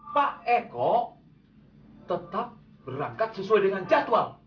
pak eko tetap berangkat sesuai dengan jadwal